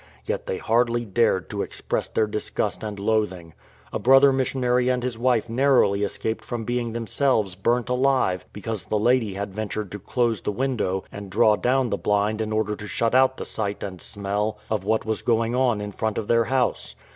Yet they hardly dared to express their disgust and loathing. A brother missionary and his wife narrowly escaped from being themselves burnt alive because the lady had ventui'ed to close the window and draw down the blind in order to shut out the sight and smell of what was going on in front of their house.